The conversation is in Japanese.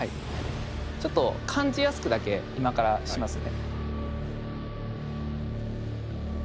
ちょっと感じやすくだけ今からしますね。